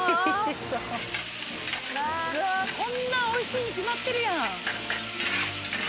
うわこんなんおいしいに決まってるやん。